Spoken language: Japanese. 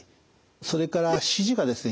それから指示がですね